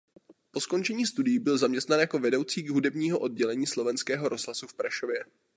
Po skončení studií byl zaměstnán jako vedoucí hudebního oddělení Slovenského rozhlasu v Prešově.